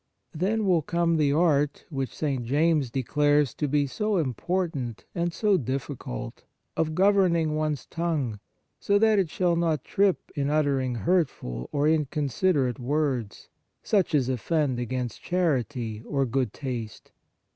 Then will come the art, which St. James declares to be so important and so difficult, of governing one s tongue, so that it shall not trip in uttering hurtful or inconsiderate words, such as offend against charity or good taste.